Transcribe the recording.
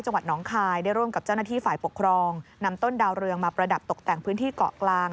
จังหวัดน้องคายได้ร่วมกับเจ้าหน้าที่ฝ่ายปกครองนำต้นดาวเรืองมาประดับตกแต่งพื้นที่เกาะกลาง